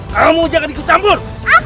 kamu jangan ikut sambur